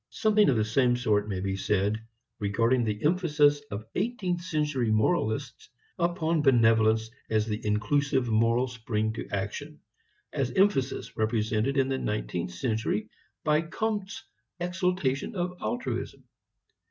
Something of the same sort may be said regarding the emphasis of eighteenth century moralists upon benevolence as the inclusive moral spring to action, an emphasis represented in the nineteenth century by Comte's exaltation of altruism.